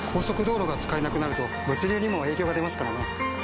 速道路が使えなくなると物流にも影響が出ますからね。